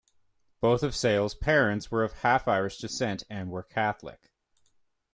Both of Sayles's parents were of half-Irish descent and were Catholic.